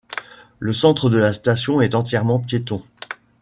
Le centre de la station est entièrement piéton.